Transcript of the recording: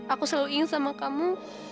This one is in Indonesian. aku selalu ingin sama kamu